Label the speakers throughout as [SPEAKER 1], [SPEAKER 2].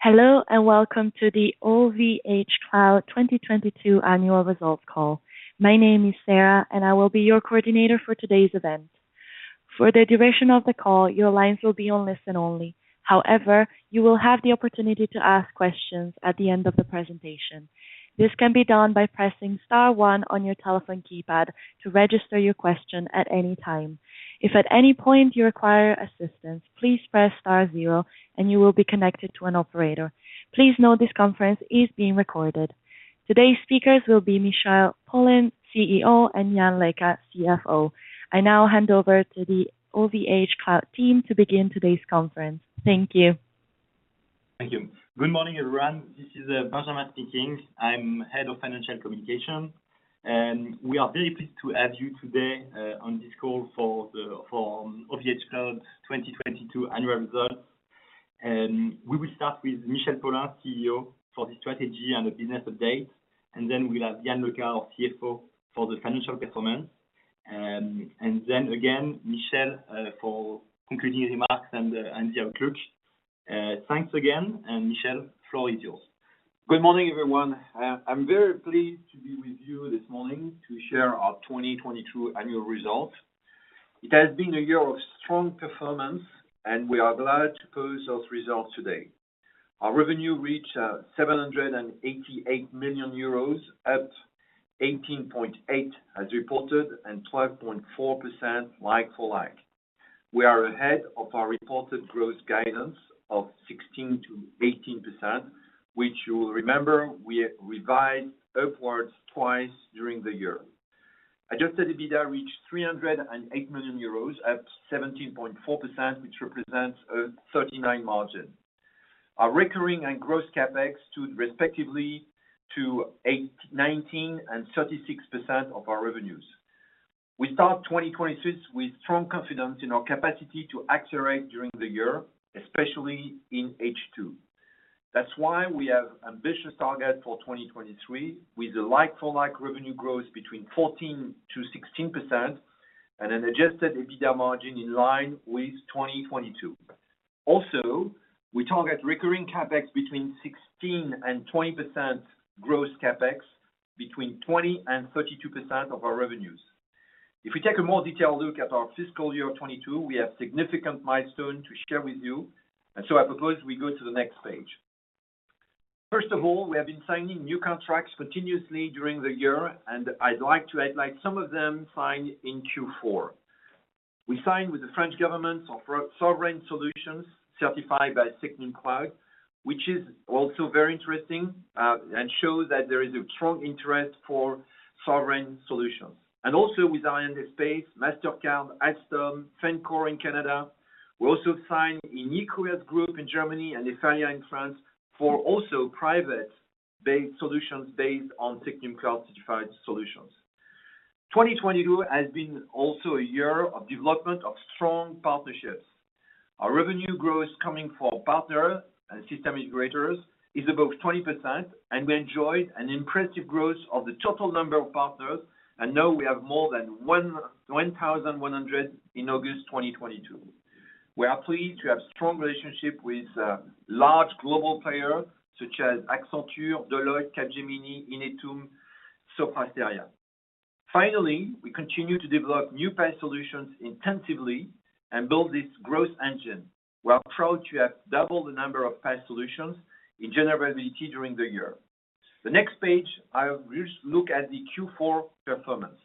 [SPEAKER 1] Hello and welcome to the OVHcloud 2022 annual results call. My name is Sarah, and I will be your coordinator for today's event. For the duration of the call, your lines will be on listen only. However, you will have the opportunity to ask questions at the end of the presentation. This can be done by pressing star one on your telephone keypad to register your question at any time. If at any point you require assistance, please press star zero and you will be connected to an operator. Please note this conference is being recorded. Today's speakers will be Michel Paulin, CEO, and Yann Le Cain, CFO. I now hand over to the OVHcloud team to begin today's conference. Thank you.
[SPEAKER 2] Thank you. Good morning, everyone. This is Benjamin speaking. I'm Head of Financial Communications, and we are very pleased to have you today on this call for OVHcloud 2022 annual results. We will start with Michel Paulin, CEO, for the strategy and the business update, and then we'll have Yann Le Cain, our CFO, for the financial performance. Then again, Michel, for concluding remarks and the outlook. Thanks again, and Michel, floor is yours.
[SPEAKER 3] Good morning, everyone. I'm very pleased to be with you this morning to share our 2022 annual results. It has been a year of strong performance, and we are glad to post those results today. Our revenue reached 788 million euros, up 18.8% as reported and 12.4% like for like. We are ahead of our reported growth guidance of 16%-18%, which you will remember we revised upwards twice during the year. Adjusted EBITDA reached 308 million euros, up 17.4%, which represents a 39% margin. Our recurring and gross CapEx stood respectively at 19% and 36% of our revenues. We start 2026 with strong confidence in our capacity to accelerate during the year, especially in H2. That's why we have ambitious target for 2023, with a like for like revenue growth between 14%-16% and an adjusted EBITDA margin in line with 2022. We target recurring CapEx between 16%-20%, gross CapEx between 20%-32% of our revenues. If we take a more detailed look at our fiscal year 2022, we have significant milestone to share with you, so I propose we go to the next page. First of all, we have been signing new contracts continuously during the year, and I'd like to highlight some of them signed in Q4. We signed with the French government on sovereign solutions certified by SecNumCloud, which is also very interesting, and shows that there is a strong interest for sovereign solutions. Also with Arianespace, Mastercard, Atos, Fencore in Canada. We also signed Iniquiet Group in Germany and Eiffage in France for also Private Cloud-based solutions based on SecNumCloud-certified solutions. 2022 has also been a year of development of strong partnerships. Our revenue growth coming from partners and system integrators is above 20%, and we enjoyed an impressive growth of the total number of partners. Now we have more than 1,100 in August 2022. We are pleased to have strong relationship with large global players such as Accenture, Deloitte, Capgemini, Inetum, Sopra Steria. Finally, we continue to develop new PaaS solutions intensively and build this growth engine. We are proud to have doubled the number of PaaS solutions in general availability during the year. The next page, I will look at the Q4 performance.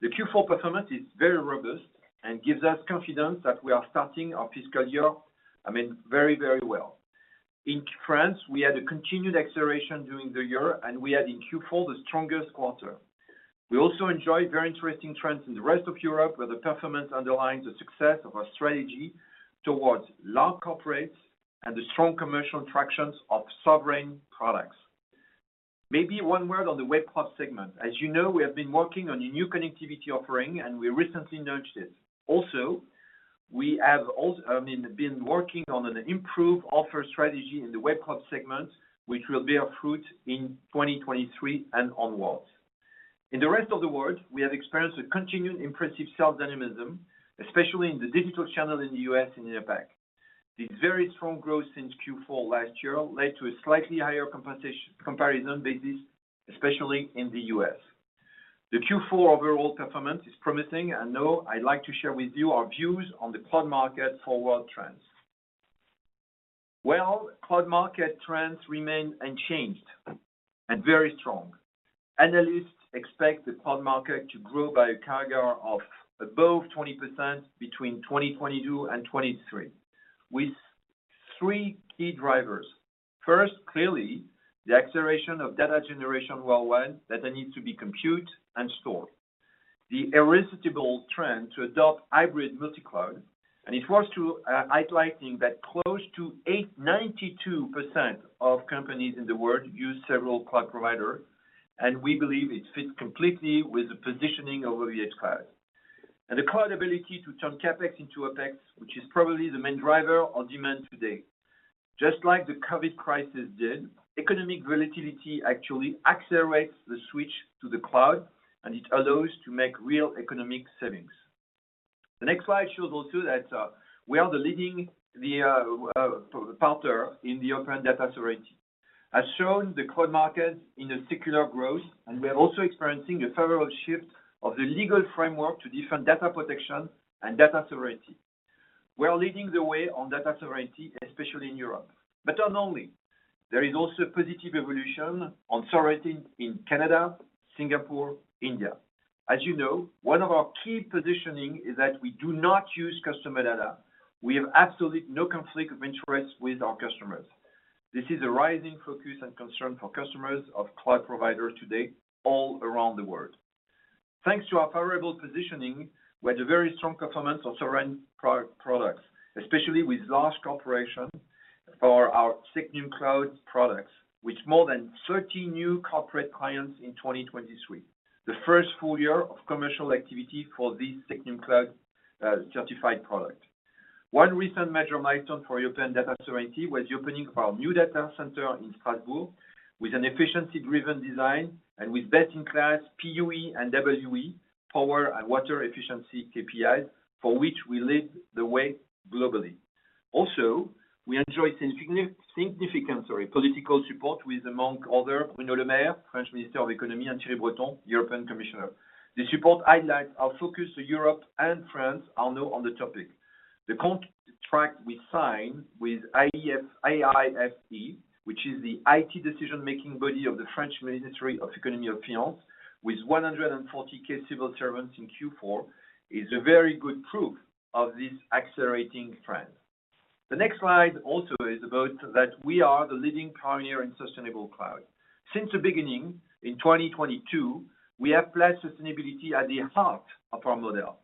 [SPEAKER 3] The Q4 performance is very robust and gives us confidence that we are starting our fiscal year, I mean, very well. In France, we had a continued acceleration during the year, and we had in Q4 the strongest quarter. We also enjoyed very interesting trends in the rest of Europe, where the performance underlines the success of our strategy towards large corporates and the strong commercial tractions of sovereign products. Maybe one word on the Web Cloud segment. As you know, we have been working on a new connectivity offering, and we recently launched it. Also, I mean, we have been working on an improved offer strategy in the Web Cloud segment, which will bear fruit in 2023 and onwards. In the rest of the world, we have experienced a continued impressive self-dynamism, especially in the digital channel in the US and APAC. The very strong growth since Q4 last year led to a slightly higher comparison basis, especially in the U.S. The Q4 overall performance is promising, and now I'd like to share with you our views on the cloud market forward trends. Well, cloud market trends remain unchanged and very strong. Analysts expect the cloud market to grow by a CAGR of above 20% between 2022 and 2023 with three key drivers. First, clearly, the acceleration of data generation worldwide that needs to be compute and stored. The irresistible trend to adopt hybrid multi-cloud. It's worth highlighting that close to 92% of companies in the world use several cloud provider, and we believe it fits completely with the positioning of OVHcloud. The cloud ability to turn CapEx into OpEx, which is probably the main driver of demand today. Just like the COVID crisis did, economic volatility actually accelerates the switch to the cloud, and it allows to make real economic savings. The next slide shows also that we are the leading European partner in the open data sovereignty. As shown, the cloud market in a secular growth, and we are also experiencing a favorable shift of the legal framework to different data protection and data sovereignty. We are leading the way on data sovereignty, especially in Europe. Not only, there is also a positive evolution on sovereignty in Canada, Singapore, India. As you know, one of our key positioning is that we do not use customer data. We have absolutely no conflict of interest with our customers. This is a rising focus and concern for customers of cloud providers today all around the world. Thanks to our favorable positioning with very strong performance on sovereign pro-products, especially with large corporation for our SecNumCloud products, with more than 30 new corporate clients in 2023, the first full year of commercial activity for this SecNumCloud certified product. One recent major milestone for European data sovereignty was the opening of our new data center in Strasbourg with an efficiency-driven design and with best-in-class PUE and WUE power and water efficiency KPIs, for which we lead the way globally. We enjoy significant political support with, among other, Bruno Le Maire, French Minister of Economy, and Thierry Breton, European Commissioner. The support highlights our focus to Europe and France are now on the topic. The contract we sign with AIFE, which is the IT decision-making body of the French Ministry of Economy and Finance, with 140,000 civil servants in Q4, is a very good proof of this accelerating trend. The next slide also is about that we are the leading pioneer in sustainable cloud. Since the beginning, in 2022, we have placed sustainability at the heart of our model.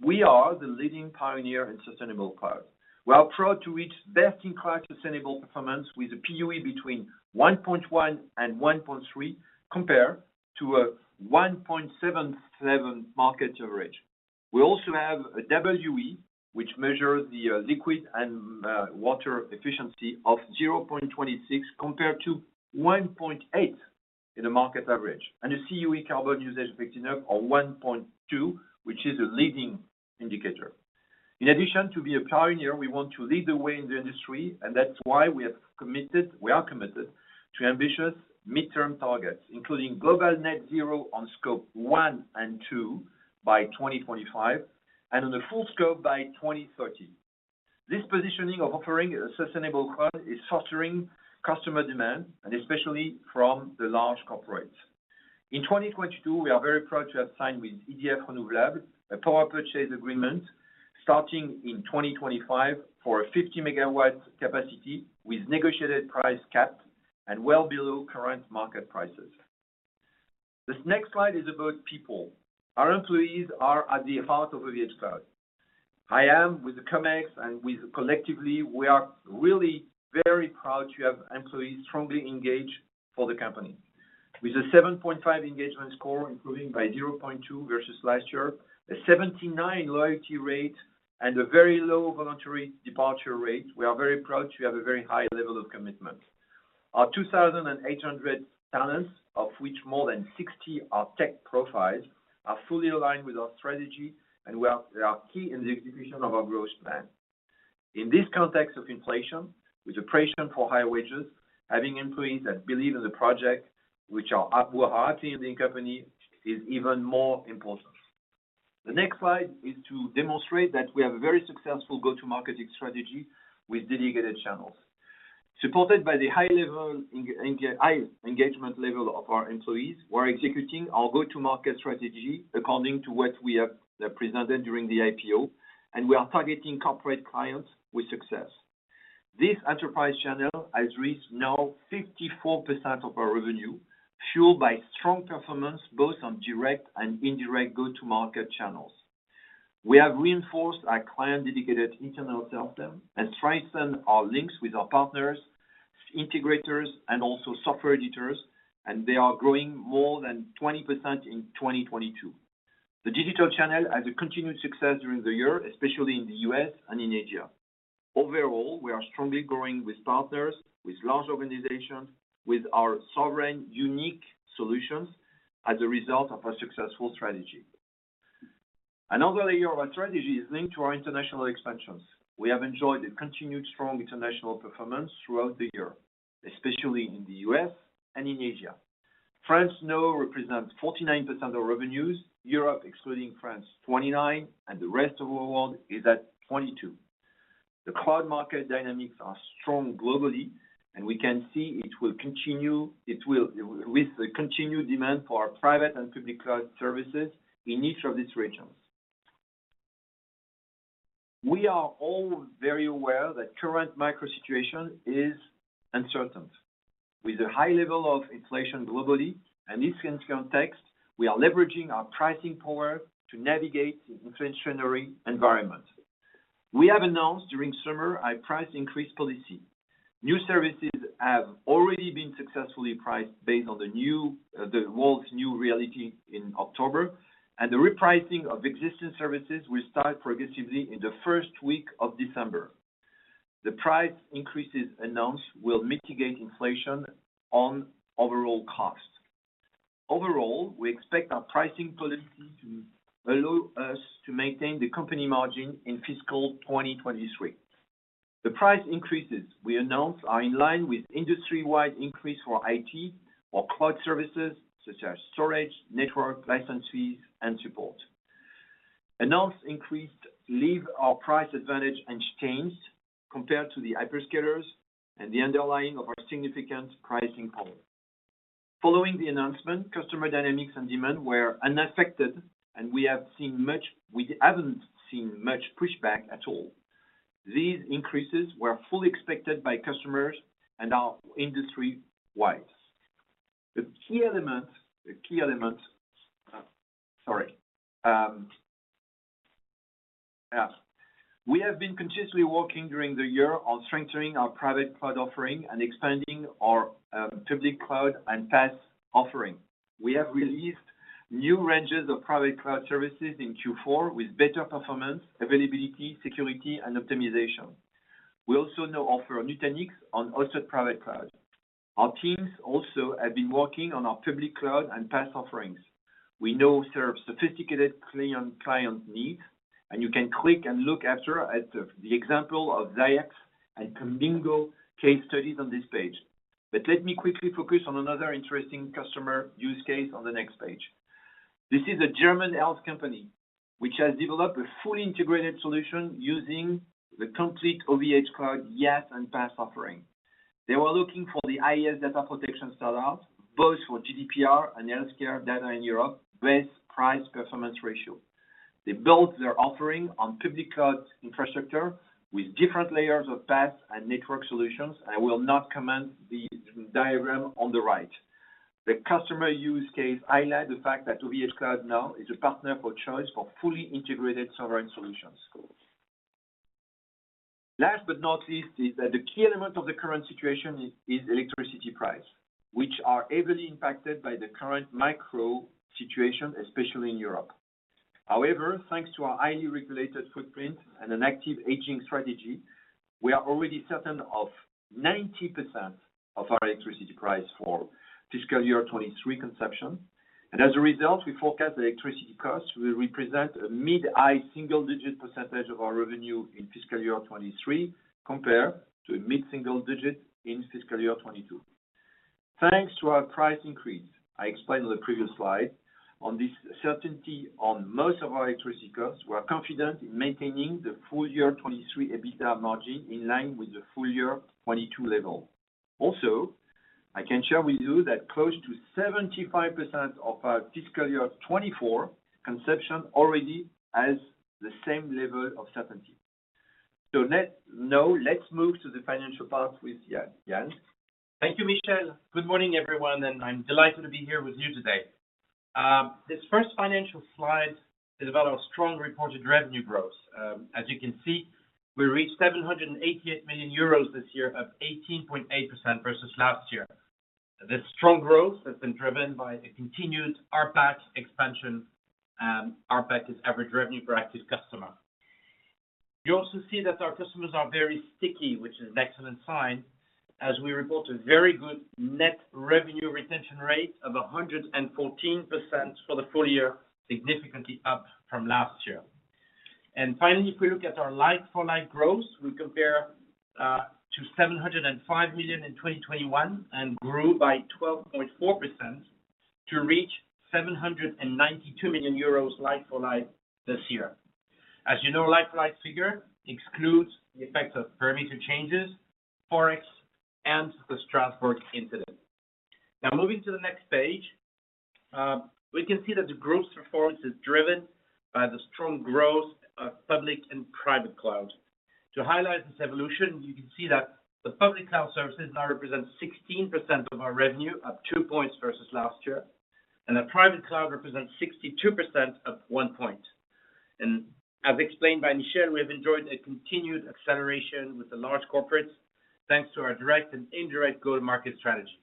[SPEAKER 3] We are the leading pioneer in sustainable cloud. We are proud to reach best-in-class sustainable performance with a PUE between 1.1 and 1.3 compared to a 1.77 market average. We also have a WUE, which measures the liquid and water efficiency of 0.26 compared to 1.8 in the market average. A CUE, carbon usage effectiveness of 1.2, which is a leading indicator. In addition to be a pioneer, we want to lead the way in the industry, and that's why we are committed to ambitious midterm targets, including global net zero on scope one and two by 2025, and on a full scope by 2030. This positioning of offering a sustainable cloud is fostering customer demand, and especially from the large corporates. In 2022, we are very proud to have signed with EDF Renouvelables, a power purchase agreement starting in 2025 for a 50 MW capacity with negotiated price caps and well below current market prices. This next slide is about people. Our employees are at the heart of OVHcloud. I am with the Comex, and collectively, we are really very proud to have employees strongly engaged for the company. With a 7.5 engagement score improving by 0.2 versus last year, a 79% loyalty rate, and a very low voluntary departure rate, we are very proud to have a very high level of commitment. Our 2,800 talents, of which more than 60 are tech profiles, are fully aligned with our strategy, and they are key in the execution of our growth plan. In this context of inflation, with the pressure for higher wages, having employees that believe in the project, which are wholeheartedly in the company, is even more important. The next slide is to demonstrate that we have a very successful go-to-market strategy with dedicated channels. Supported by the high engagement level of our employees, we're executing our go-to-market strategy according to what we have presented during the IPO, and we are targeting corporate clients with success. This enterprise channel has reached now 54% of our revenue, fueled by strong performance both on direct and indirect go-to-market channels. We have reinforced our client-dedicated internal sales team and strengthened our links with our partners, integrators, and also software editors, and they are growing more than 20% in 2022. The digital channel has a continued success during the year, especially in the U.S. and in Asia. Overall, we are strongly growing with partners, with large organizations, with our sovereign unique solutions as a result of our successful strategy. Another layer of our strategy is linked to our international expansions. We have enjoyed a continued strong international performance throughout the year, especially in the U.S. and in Asia. France now represents 49% of revenues, Europe, excluding France, 29%, and the rest of the world is at 22%. The cloud market dynamics are strong globally, and we can see it will continue with the continued demand for our private and public cloud services in each of these regions. We are all very aware that current macro situation is uncertain. With a high level of inflation globally and in this context, we are leveraging our pricing power to navigate the inflationary environment. We have announced during summer a price increase policy. New services have already been successfully priced based on the world's new reality in October, and the repricing of existing services will start progressively in the first week of December. The price increases announced will mitigate inflation on overall costs. Overall, we expect our pricing policy to allow us to maintain the company margin in fiscal 2023. The price increases we announced are in line with industry-wide increases for IT or cloud services such as storage, network, license fees, and support. Announced increases leave our price advantage unchanged compared to the hyperscalers and underlining our significant pricing power. Following the announcement, customer dynamics and demand were unaffected, and we haven't seen much pushback at all. These increases were fully expected by customers and are industry-wide. The key element. We have been continuously working during the year on strengthening our Private Cloud offering and expanding our Public Cloud and PaaS offering. We have released new ranges of private cloud services in Q4 with better performance, availability, security, and optimization. We also now offer Nutanix on Hosted Private Cloud. Our teams have also been working on our Public Cloud and PaaS offerings. We now serve sophisticated client needs, and you can click and look at the example of the iATROS and Convision case studies on this page. Let me quickly focus on another interesting customer use case on the next page. This is a German health company that has developed a fully integrated solution using the complete OVHcloud IaaS and PaaS offering. They were looking for the IaaS data protection standard, both for GDPR and healthcare data in Europe, best price-performance ratio. They built their offering on Public Cloud infrastructure with different layers of PaaS and network solutions. I will not comment on the diagram on the right. The customer use cases highlight the fact that OVHcloud now is a partner of choice for fully integrated sovereign solutions. Last but not least is that the key element of the current situation is electricity prices, which are heavily impacted by the current macro situation, especially in Europe. However, thanks to our highly regulated footprint and an active hedging strategy, we are already certain of 90% of our electricity prices for fiscal year 2023 consumption. As a result, we forecast the electricity costs will represent a mid-high single-digit percentage of our revenue in fiscal year 2023 compared to a mid-single-digit in fiscal year 2022. Thanks to our price increase I explained on the previous slide on this certainty on most of our electricity costs, we are confident in maintaining the full year 2023 EBITDA margin in line with the full year 2022 level. Also, I can share with you that close to 75% of our fiscal year 2024 consumption already has the same level of certainty. Now let's move to the financial part with Yann. Yann?
[SPEAKER 4] Thank you, Michel. Good morning, everyone, and I'm delighted to be here with you today. This first financial slide is about our strong reported revenue growth. As you can see, we reached 788 million euros this year, up 18.8% versus last year. This strong growth has been driven by a continued ARPAC expansion. ARPAC is the average revenue per active customer. You also see that our customers are very sticky, which is an excellent sign, as we report a very good net revenue retention rate of 114% for the full year, significantly up from last year. Finally, if we look at our like-for-like growth, we compare to 705 million in 2021 and grew by 12.4% to reach 792 million euros like for like this year. As you know, like-for-like figure excludes the effects of perimeter changes, Forex, and the Strasbourg incident. Now moving to the next page, we can see that the group's performance is driven by the strong growth of Public Cloud and Private Cloud. To highlight this evolution, you can see that the Public Cloud services now represent 16% of our revenue, up two points versus last year. The Private Cloud represents 62%, up one point. As explained by Michel, we have enjoyed a continued acceleration with the large corporates, thanks to our direct and indirect go-to-market strategies.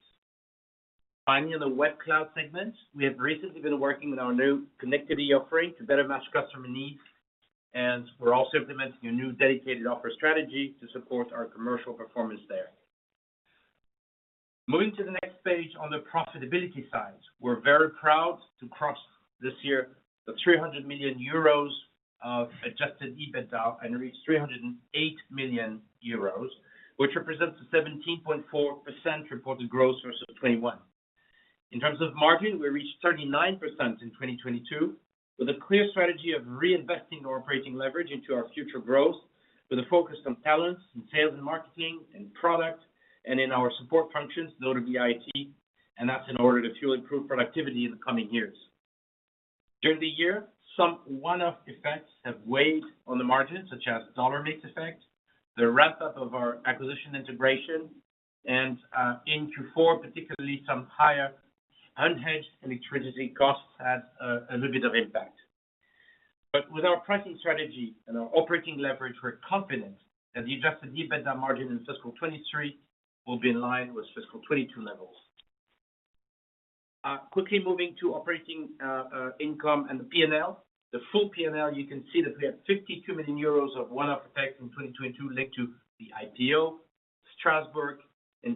[SPEAKER 4] Finally, on the Web Cloud segment, we have recently been working with our new connectivity offering to better match customer needs, and we're also implementing a new dedicated offer strategy to support our commercial performance there. Moving to the next page on the profitability side. We're very proud to cross this year the 300 million euros of adjusted EBITDA and reach 308 million euros, which represents a 17.4% reported growth versus 2021. In terms of margin, we reached 39% in 2022 with a clear strategy of reinvesting our operating leverage into our future growth with a focus on talents in sales and marketing and product and in our support functions, notably IT, and that's in order to fuel improved productivity in the coming years. During the year, some one-off effects have weighed on the margin, such as dollar mix effect, the ramp-up of our acquisition integration, and in Q4, particularly some higher unhedged electricity costs had a little bit of impact. With our pricing strategy and our operating leverage, we're confident that the adjusted EBITDA margin in fiscal 2023 will be in line with fiscal 2022 levels. Quickly moving to operating income and the P&L. The full P&L, you can see that we have 52 million euros of one-off effects in 2022 linked to the IPO, Strasbourg and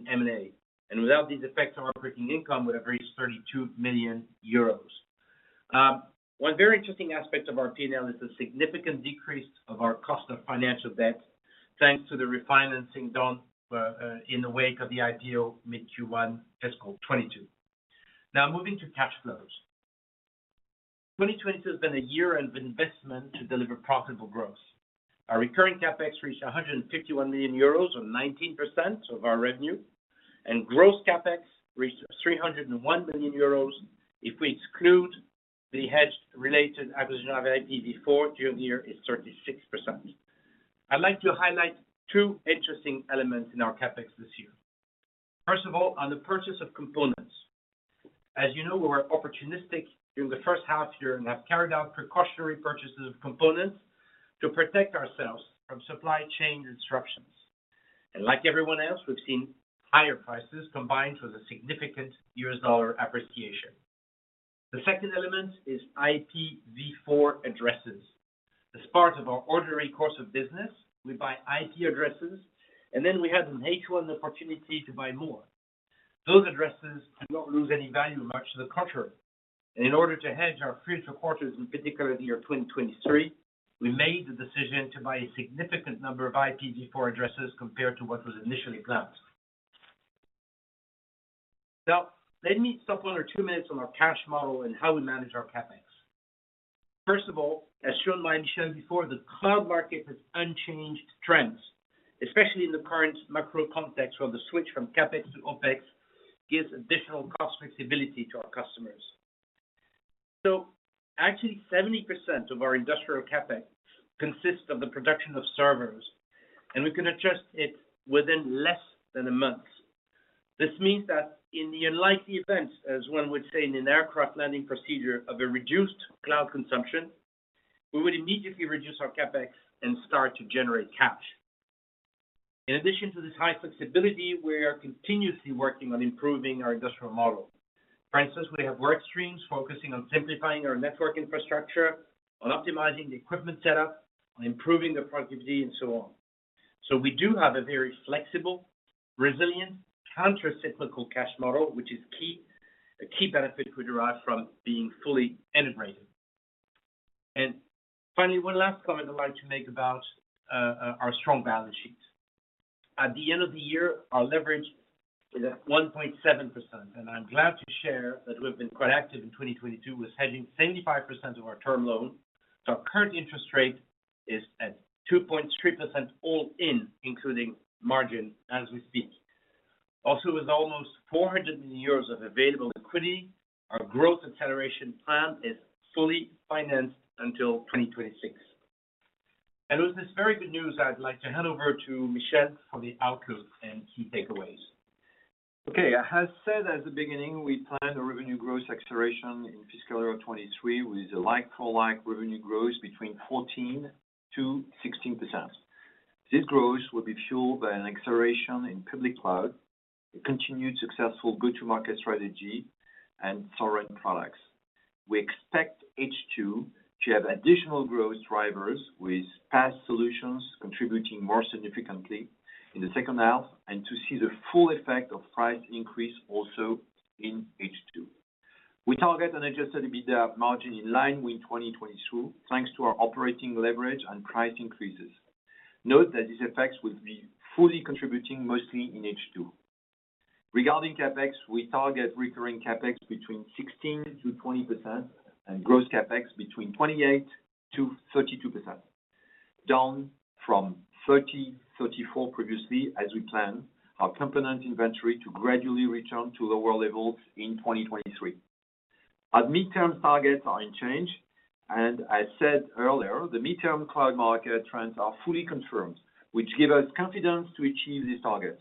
[SPEAKER 4] M&A. Without these effects, our operating income would have reached 32 million euros. One very interesting aspect of our P&L is the significant decrease of our cost of financial debt, thanks to the refinancing done in the wake of the IPO mid Q1 fiscal 2022. Now moving to cash flows. 2022 has been a year of investment to deliver profitable growth. Our recurring CapEx reached 151 million euros or 19% of our revenue, and gross CapEx reached 301 million euros. If we exclude the hedge-related acquisition of IPv4 during the year is 36%. I'd like to highlight two interesting elements in our CapEx this year. First of all, on the purchase of components. As you know, we were opportunistic in the first half year and have carried out precautionary purchases of components to protect ourselves from supply chain disruptions. Like everyone else, we've seen higher prices combined with a significant US dollar appreciation. The second element is IPv4 addresses. As part of our ordinary course of business, we buy IP addresses, and then we had in H1 the opportunity to buy more. Those addresses do not lose any value, much to the contrary. In order to hedge our future quarters, in particular the year 2023, we made the decision to buy a significant number of IPv4 addresses compared to what was initially planned. Now, let me stop one or two minutes on our cash model and how we manage our CapEx. First of all, as Jean-Marie showed before, the cloud market has unchanged trends, especially in the current macro context, where the switch from CapEx to OpEx gives additional cost flexibility to our customers. Actually, 70% of our industrial CapEx consists of the production of servers, and we can adjust it within less than a month. This means that in the unlikely event, as one would say in an aircraft landing procedure of a reduced cloud consumption, we would immediately reduce our CapEx and start to generate cash. In addition to this high flexibility, we are continuously working on improving our industrial model. For instance, we have work streams focusing on simplifying our network infrastructure, on optimizing the equipment setup, on improving the productivity, and so on. We do have a very flexible, resilient, countercyclical cash model, which is key, a key benefit we derive from being fully integrated. Finally, one last comment I'd like to make about our strong balance sheets. At the end of the year, our leverage is at 1.7%, and I'm glad to share that we've been quite active in 2022 with hedging 75% of our term loan. Our current interest rate is at 2.3% all in, including margin as we speak. Also, with almost 400 million euros of available liquidity, our growth acceleration plan is fully financed until 2026. With this very good news, I'd like to hand over to Michel for the outlook and key takeaways.
[SPEAKER 3] Okay. I have said at the beginning, we planned a revenue growth acceleration in fiscal year 2023 with a like-for-like revenue growth between 14%-16%. This growth will be fueled by an acceleration in Public Cloud, a continued successful go-to-market strategy, and solid products. We expect H2 to have additional growth drivers with PaaS solutions contributing more significantly in the second half, and to see the full effect of price increase also in H2. We target an adjusted EBITDA margin in line with 2022, thanks to our operating leverage and price increases. Note that these effects will be fully contributing mostly in H2. Regarding CapEx, we target recurring CapEx between 16%-20% and gross CapEx between 28%-32%, down from 30-34 previously as we plan our component inventory to gradually return to lower levels in 2023. Our midterm targets are unchanged, and I said earlier, the midterm cloud market trends are fully confirmed, which give us confidence to achieve these targets.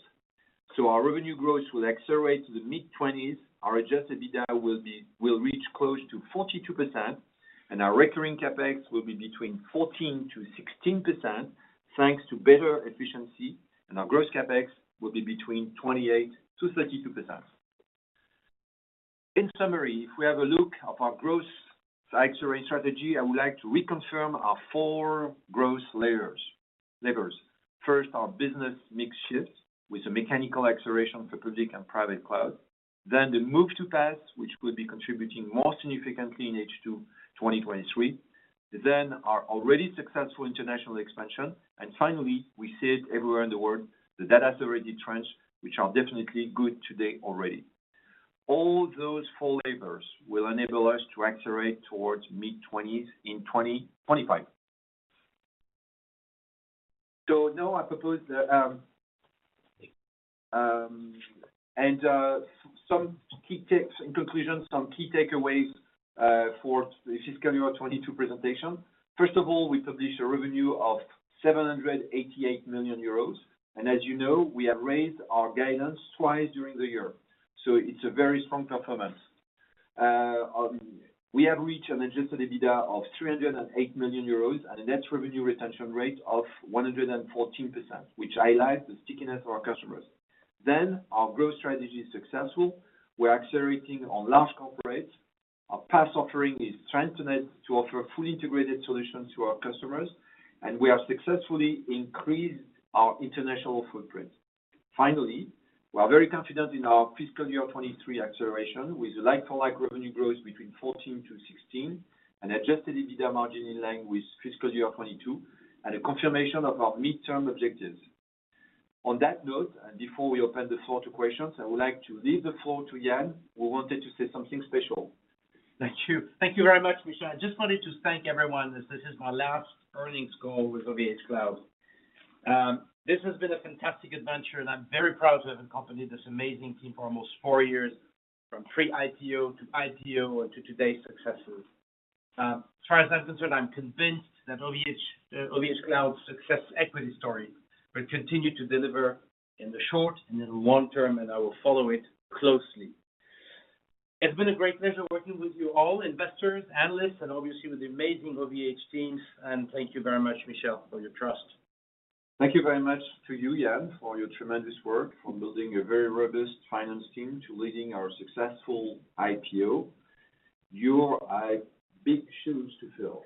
[SPEAKER 3] Our revenue growth will accelerate to the mid-20s%. Our adjusted EBITDA will reach close to 42%, and our recurring CapEx will be between 14%-16%, thanks to better efficiency, and our gross CapEx will be between 28%-32%. In summary, if we have a look at our growth acceleration strategy, I would like to reconfirm our fourgrowth levers. First, our business mix shift with a mechanical acceleration for public and private cloud. The move to PaaS, which will be contributing more significantly in H2 2023. Our already successful international expansion. Finally, we see it everywhere in the world, the data sovereignty trends, which are definitely good today already. All those four levers will enable us to accelerate towards mid-20s in 2025. In conclusion, some key takeaways for the fiscal year 2022 presentation. First of all, we published a revenue of 788 million euros. As you know, we have raised our guidance twice during the year, so it's a very strong performance. We have reached an adjusted EBITDA of 308 million euros at a net revenue retention rate of 114%, which highlights the stickiness of our customers. Our growth strategy is successful. We're accelerating on large corporates. Our PaaS offering is strengthened to offer fully integrated solutions to our customers, and we have successfully increased our international footprint. Finally, we are very confident in our fiscal year 2023 acceleration with like-for-like revenue growth between 14%-16%, and adjusted EBITDA margin in line with fiscal year 2022, and a confirmation of our midterm objectives. On that note, and before we open the floor to questions, I would like to leave the floor to Yann Le Cain, who wanted to say something special.
[SPEAKER 4] Thank you. Thank you very much, Michel. I just wanted to thank everyone, as this is my last earnings call with OVHcloud. This has been a fantastic adventure, and I'm very proud to have accompanied this amazing team for almost four years, from pre-IPO to IPO and to today's successes. As far as I'm concerned, I'm convinced that OVH, OVHcloud success equity story will continue to deliver in the short and in the long term, and I will follow it closely. It's been a great pleasure working with you all, investors, analysts, and obviously with the amazing OVH teams. Thank you very much, Michel, for your trust.
[SPEAKER 3] Thank you very much to you, Yann Leca, for your tremendous work from building a very robust finance team to leading our successful IPO. You have big shoes to fill.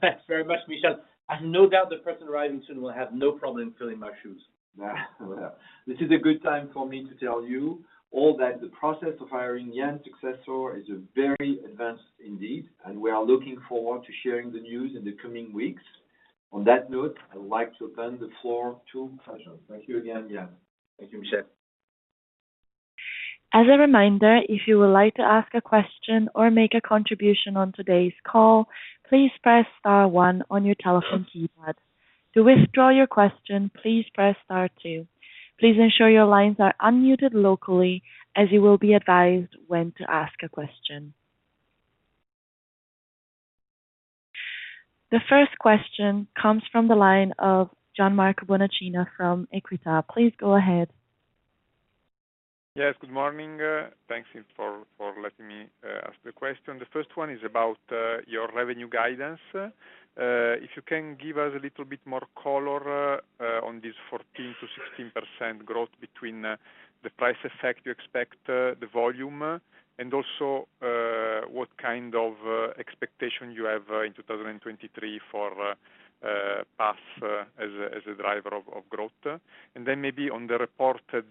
[SPEAKER 4] Thanks very much, Michel. I have no doubt the person arriving soon will have no problem filling my shoes.
[SPEAKER 3] Yeah. This is a good time for me to tell you all that the process of hiring Yann Le Cain's successor is very advanced indeed, and we are looking forward to sharing the news in the coming weeks. On that note, I'd like to open the floor to questions. Thank you again, Yann Le Cain.
[SPEAKER 4] Thank you, Michel.
[SPEAKER 1] As a reminder, if you would like to ask a question or make a contribution on today's call, please press star one on your telephone keypad. To withdraw your question, please press star two. Please ensure your lines are unmuted locally, as you will be advised when to ask a question. The first question comes from the line of Gianmarco Bonacina from Equita. Please go ahead.
[SPEAKER 5] Yes, good morning. Thanks for letting me ask the question. The first one is about your revenue guidance. If you can give us a little bit more color on this 14%-16% growth between the price effect you expect, the volume, and also what kind of expectation you have in 2023 for PaaS as a driver of growth. Then maybe on the reported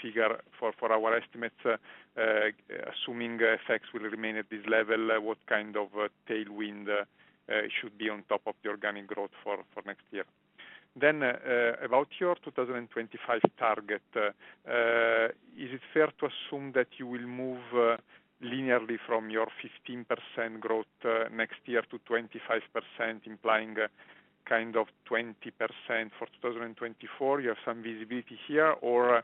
[SPEAKER 5] figure for our estimates, assuming effects will remain at this level, what kind of tailwind should be on top of the organic growth for next year? about your 2025 target, is it fair to assume that you will move linearly from your 15% growth next year to 25%, implying kind of 20% for 2024? You have some visibility here, or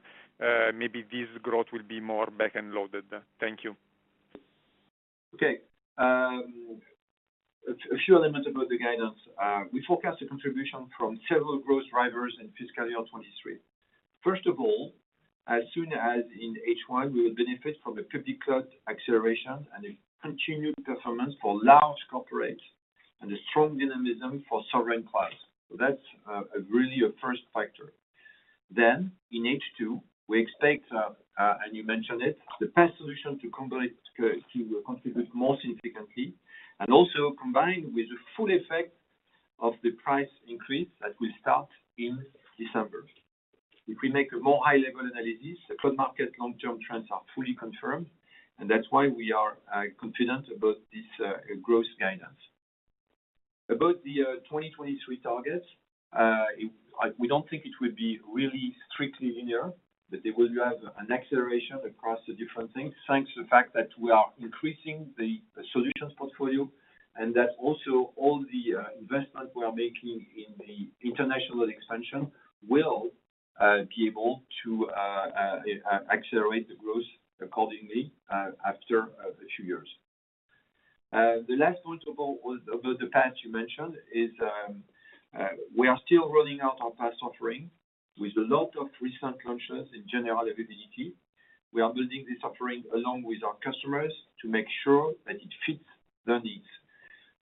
[SPEAKER 5] maybe this growth will be more back-end loaded. Thank you.
[SPEAKER 3] Okay. A few elements about the guidance. We forecast a contribution from several growth drivers in fiscal year 2023. First of all, as soon as in H1, we will benefit from the public cloud acceleration and a continued performance for large corporates and a strong dynamism for sovereign clouds. So that's really a first factor. Then in H2, we expect, and you mentioned it, the PaaS solution to contribute more significantly and also combined with the full effect of the price increase that will start in December. If we make a more high-level analysis, the cloud market long-term trends are fully confirmed, and that's why we are confident about this growth guidance. About the 2023 targets, we don't think it will be really strictly linear, that they will drive an acceleration across the different things, thanks to the fact that we are increasing the solutions portfolio and that also all the investment we are making in the international expansion will be able to accelerate the growth accordingly, after a few years. The last point of all was about the path you mentioned is we are still rolling out our PaaS offering with a lot of recent launches in general availability. We are building this offering along with our customers to make sure that it fits their needs.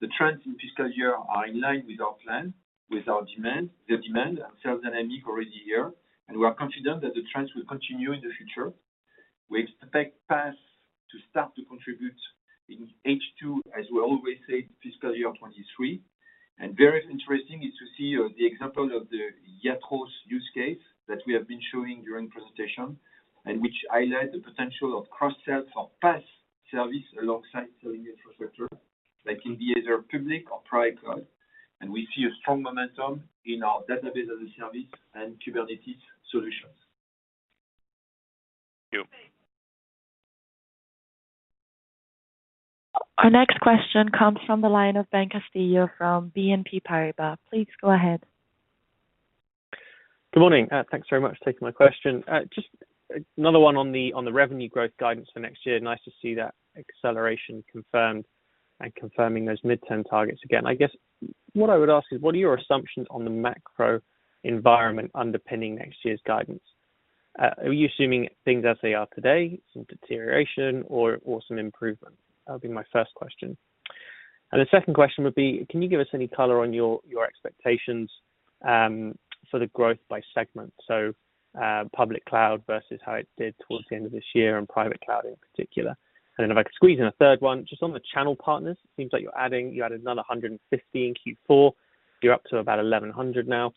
[SPEAKER 3] The trends in fiscal year are in line with our plan, with our demand, the demand and sales dynamic already here, and we are confident that the trends will continue in the future. We expect PaaS to start to contribute in H2, as we always say, fiscal year 2023. Very interesting is to see the example of the iATROS use case that we have been showing during presentation and which highlight the potential of cross-sells of PaaS service alongside selling infrastructure that can be either Public Cloud or Private Cloud. We see a strong momentum in our database as a service and Kubernetes solutions.
[SPEAKER 5] Thank you.
[SPEAKER 1] Our next question comes from the line of Ben Castillo-Iglesias from BNP Paribas. Please go ahead.
[SPEAKER 6] Good morning. Thanks very much for taking my question. Just another one on the revenue growth guidance for next year. Nice to see that acceleration confirmed and confirming those midterm targets again. I guess what I would ask is, what are your assumptions on the macro environment underpinning next year's guidance? Are you assuming things as they are today, some deterioration or some improvement? That'll be my first question. The second question would be, can you give us any color on your expectations for the growth by segment? Public Cloud versus how it did towards the end of this year and Private Cloud in particular. Then if I could squeeze in a third one, just on the channel partners. Seems like you added another 150 in Q4. You're up to about 1,100 now.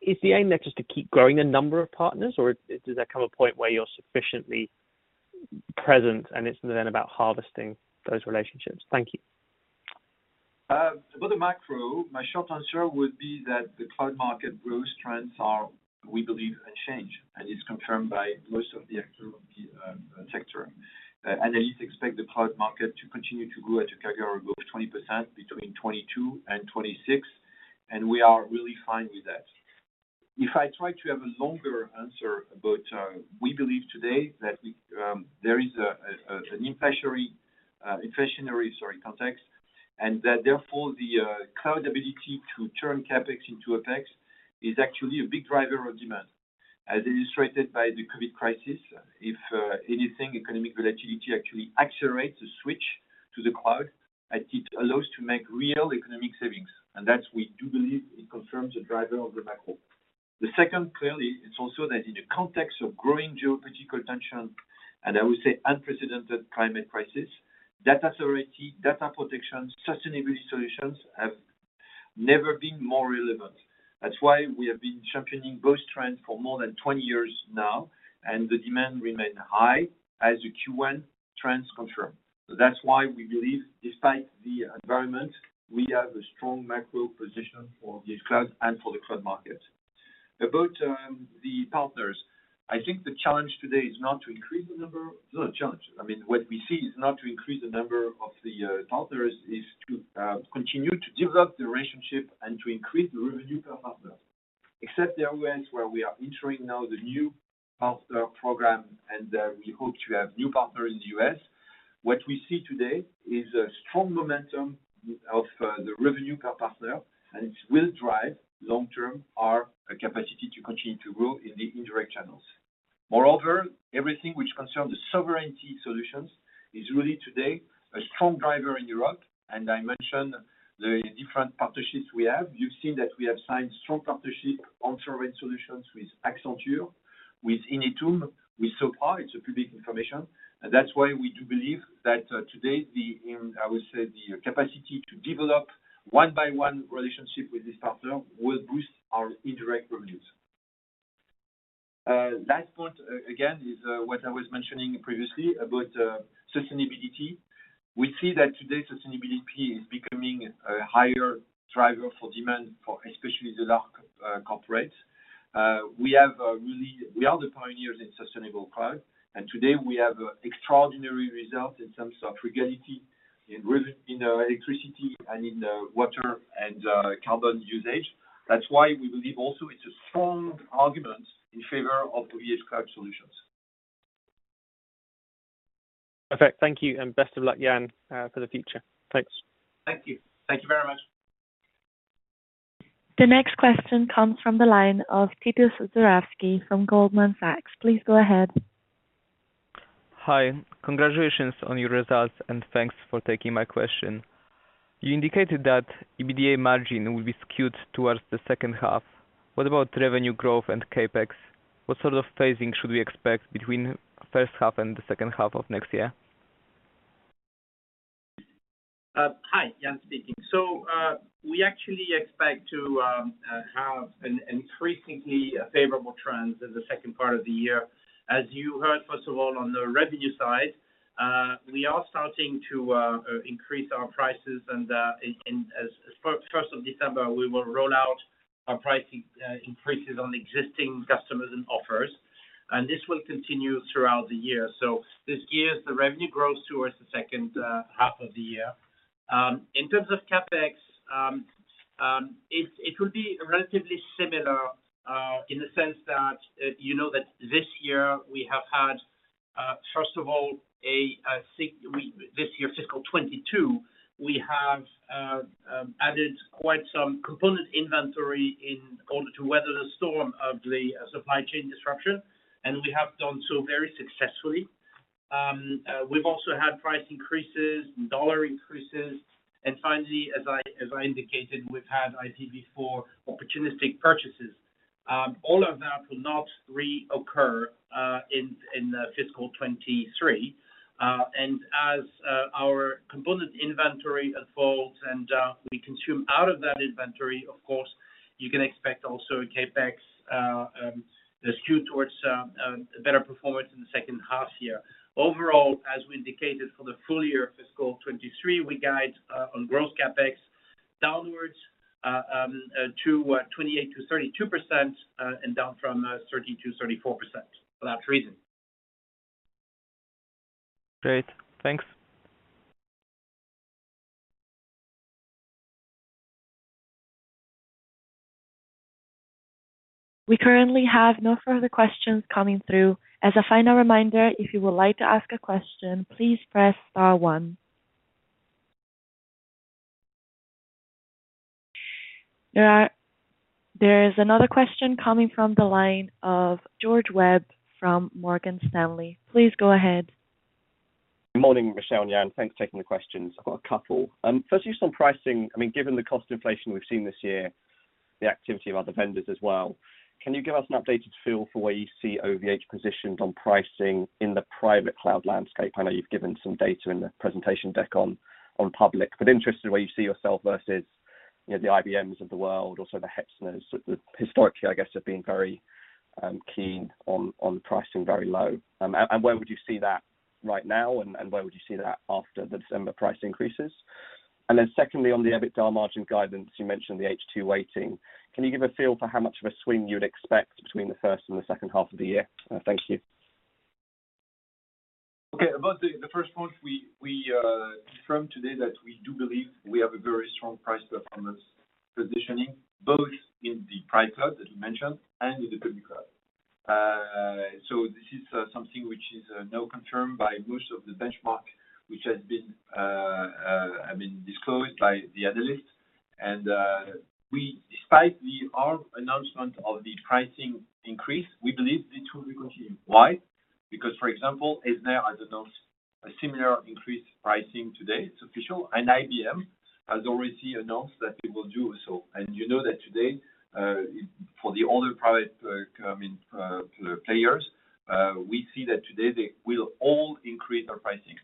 [SPEAKER 6] Is the aim there just to keep growing the number of partners, or does there come a point where you're sufficiently present and it's then about harvesting those relationships? Thank you.
[SPEAKER 3] About the macro, my short answer would be that the cloud market growth trends are, we believe, unchanged, and it's confirmed by most of the actors in the sector. At least expect the cloud market to continue to grow at a CAGR of 20% between 2022 and 2026, and we are really fine with that. If I try to have a longer answer about, we believe today that we, there is an inflationary, sorry, context, and that therefore the cloud ability to turn CapEx into OpEx is actually a big driver of demand. As illustrated by the COVID crisis, if anything economic reality actually accelerates the switch to the cloud, as it allows to make real economic savings. That we do believe it confirms the driver of the macro. The second, clearly, it's also that in the context of growing geopolitical tension, and I would say unprecedented climate crisis, data sovereignty, data protection, sustainability solutions have never been more relevant. That's why we have been championing both trends for more than 20 years now, and the demand remain high as the Q1 trends confirm. That's why we believe despite the environment, we have a strong macro position for the cloud and for the cloud market. About the partners, I think the challenge today is not to increase the number of the partners. I mean, what we see is not to increase the number of the partners, is to continue to develop the relationship and to increase the revenue per partner. Except the US, where we are entering now the new partner program, and we hope to have new partner in the US. What we see today is a strong momentum of the revenue per partner, and it will drive long-term our capacity to continue to grow in the indirect channels. Moreover, everything which concerns the sovereignty solutions is really today a strong driver in Europe, and I mentioned the different partnerships we have. You've seen that we have signed strong partnership on sovereign solutions with Accenture, with Inetum, with Sopra Steria. It's public information. That's why we do believe that today the I would say the capacity to develop one-on-one relationship with this partner will boost our indirect revenues. Last point, again, is what I was mentioning previously about sustainability. We see that today sustainability is becoming a higher driver for demand for especially the large corporates. We are the pioneers in sustainable cloud, and today we have extraordinary results in terms of efficiency in electricity and in water and carbon usage. That's why we believe also it's a strong argument in favor of the OVHcloud solutions.
[SPEAKER 6] Perfect. Thank you, and best of luck, Yann, for the future. Thanks.
[SPEAKER 4] Thank you. Thank you very much.
[SPEAKER 1] The next question comes from the line of Titus Krahn from Goldman Sachs. Please go ahead.
[SPEAKER 7] Hi. Congratulations on your results, and thanks for taking my question. You indicated that EBITDA margin will be skewed towards the second half. What about revenue growth and CapEx? What sort of phasing should we expect between first half and the second half of next year?
[SPEAKER 4] Hi. Yann speaking. We actually expect to have an increasingly favorable trends in the second part of the year. As you heard, first of all, on the revenue side, we are starting to increase our prices and, as first of December, we will roll out our price increases on existing customers and offers, and this will continue throughout the year. This gears the revenue growth towards the second half of the year. In terms of CapEx, it will be relatively similar, in the sense that, you know that this year we have had, first of all, this year, fiscal 2022, we have added quite some component inventory in order to weather the storm of the supply chain disruption, and we have done so very successfully. We've also had price increases and dollar increases. Finally, as I indicated, we've had, as I said before, opportunistic purchases. All of that will not reoccur in fiscal 2023. As our component inventory unfolds and we consume out of that inventory, of course, you can expect also a CapEx that skew towards a better performance in the second half year. Overall, as we indicated for the full year of fiscal 2023, we guide on growth CapEx downwards to 28%-32%, and down from 30%-34% without reason.
[SPEAKER 7] Great. Thanks.
[SPEAKER 1] We currently have no further questions coming through. As a final reminder, if you would like to ask a question, please press star one. There is another question coming from the line of George Webb from Morgan Stanley. Please go ahead.
[SPEAKER 8] Morning, Michel and Yann. Thanks for taking the questions. I've got a couple. Firstly, just on pricing, I mean, given the cost inflation we've seen this year, the activity of other vendors as well, can you give us an updated feel for where you see OVH positioned on pricing in the private cloud landscape? I know you've given some data in the presentation deck on public, but interested where you see yourself versus, you know, the IBMs of the world, also the Hetzner, historically, I guess, have been very keen on pricing very low. And where would you see that right now, and where would you see that after the December price increases? Secondly, on the EBITDA margin guidance, you mentioned the H2 weighting. Can you give a feel for how much of a swing you would expect between the first and the second half of the year? Thank you.
[SPEAKER 3] Okay. About the first point, we confirmed today that we do believe we have a very strong price performance positioning, both in the private cloud, as you mentioned, and in the public cloud. This is something which is now confirmed by most of the benchmarks, which has been, I mean, disclosed by the analysts. We, despite our announcement of the pricing increase, believe it will continue. Why? Because, for example, Azure has announced a similar increased pricing today. It's official, and IBM has already announced that it will do so. You know that today, for the other private, I mean, players, we see that today they will all increase their pricing.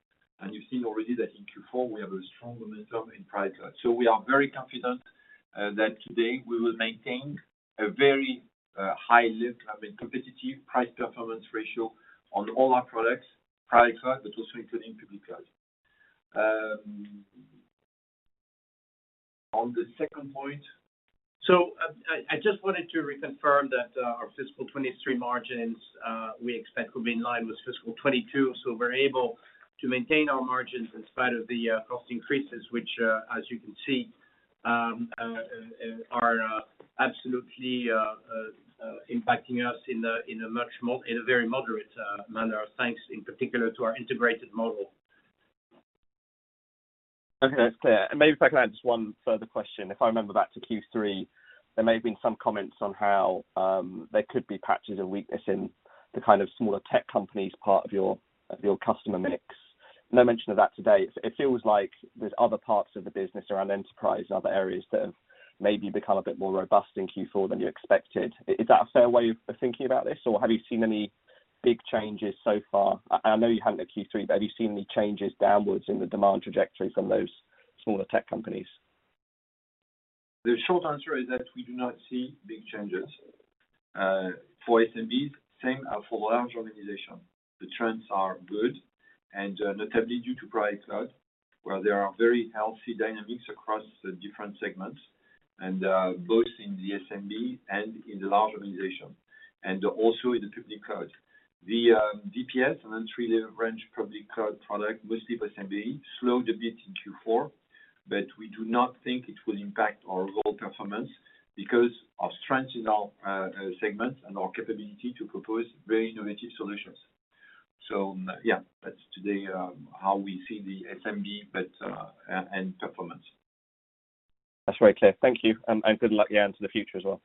[SPEAKER 3] You've seen already that in Q4, we have a strong momentum in private cloud. We are very confident that today we will maintain a very high level, I mean, competitive price performance ratio on all our products, Private Cloud, but also including Public Cloud. On the second point, I just wanted to reconfirm that our fiscal 2023 margins we expect will be in line with fiscal 2022, we're able to maintain our margins in spite of the cost increases, which, as you can see, are absolutely impacting us in a very moderate manner, thanks in particular to our integrated model.
[SPEAKER 8] Okay. That's clear. Maybe if I could add just one further question. If I remember back to Q3, there may have been some comments on how there could be patches of weakness in the kind of smaller tech companies part of your customer mix. No mention of that today. It feels like there's other parts of the business around enterprise and other areas that have maybe become a bit more robust in Q4 than you expected. Is that a fair way of thinking about this, or have you seen any big changes so far? I know you hadn't at Q3, but have you seen any changes downwards in the demand trajectory from those smaller tech companies?
[SPEAKER 3] The short answer is that we do not see big changes. For SMB, same as for large organization. The trends are good, and notably due to Private Cloud, where there are very healthy dynamics across the different segments, and both in the SMB and in the large organization, and also in the Public Cloud. The VPS and entry-level range Public Cloud product, mostly for SMB, slowed a bit in Q4, but we do not think it will impact our overall performance because of strength in our segments and our capability to propose very innovative solutions. Yeah, that's today how we see the SMB, but and performance.
[SPEAKER 8] That's very clear. Thank you. Good luck, Yann, to the future as well.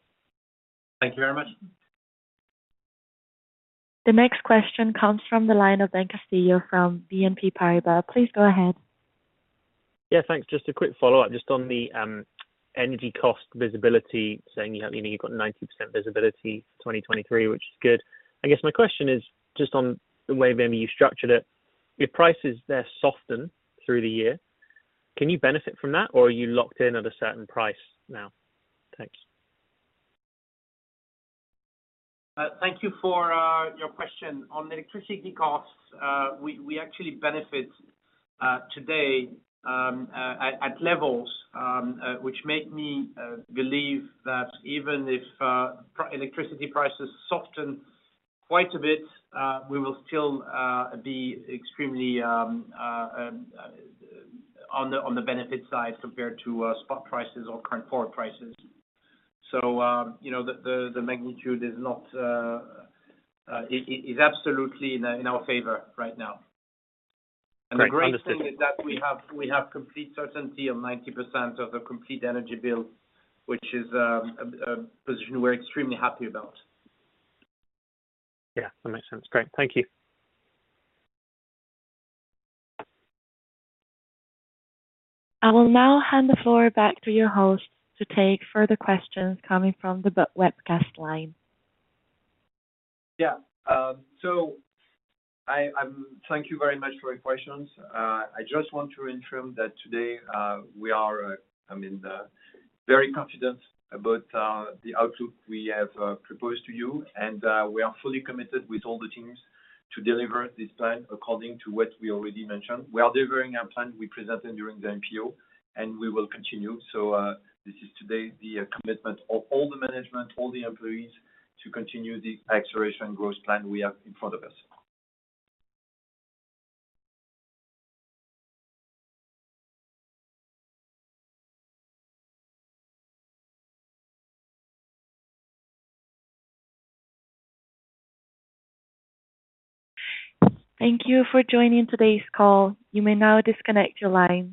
[SPEAKER 4] Thank you very much.
[SPEAKER 1] The next question comes from the line of Ben Castillo-Iglesias from BNP Paribas. Please go ahead.
[SPEAKER 6] Yeah, thanks. Just a quick follow-up, just on the energy cost visibility, saying you have, you know, you've got 90% visibility 2023, which is good. I guess my question is just on the way maybe you structured it. If prices there soften through the year, can you benefit from that, or are you locked in at a certain price now? Thanks.
[SPEAKER 4] Thank you for your question. On the electricity costs, we actually benefit today at levels which make me believe that even if electricity prices soften quite a bit, we will still be extremely on the benefit side compared to spot prices or current forward prices. You know, the magnitude is not, it is absolutely in our favor right now. Great. Understood.
[SPEAKER 6] The great thing is that we have complete certainty of 90% of the complete energy bill, which is a position we're extremely happy about.
[SPEAKER 4] Yeah, that makes sense. Great. Thank you.
[SPEAKER 1] I will now hand the floor back to your host to take further questions coming from the webcast line.
[SPEAKER 3] Thank you very much for your questions. I just want to reiterate that today, we are, I mean, very confident about the outlook we have proposed to you, and we are fully committed with all the teams to deliver this plan according to what we already mentioned. We are delivering our plan we presented during the IPO, and we will continue. This is today the commitment of all the management, all the employees to continue the accelerated growth plan we have in front of us.
[SPEAKER 1] Thank you for joining today's call. You may now disconnect your line.